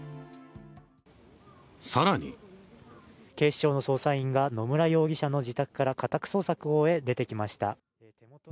更に警視庁の捜査員が野村容疑者の自宅から家宅捜索を終え、出てきました。